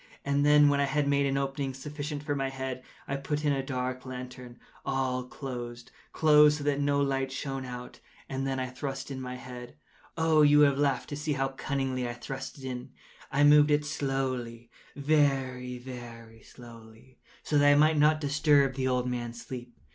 And then, when I had made an opening sufficient for my head, I put in a dark lantern, all closed, closed, that no light shone out, and then I thrust in my head. Oh, you would have laughed to see how cunningly I thrust it in! I moved it slowly—very, very slowly, so that I might not disturb the old man’s sleep.